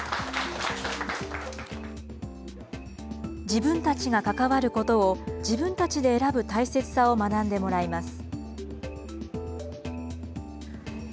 自分たちが関わることを、自分たちで選ぶ大切さを学んでもらいます。